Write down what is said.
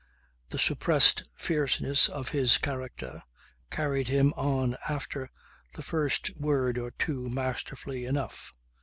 The suppressed fierceness of his character carried him on after the first word or two masterfully enough.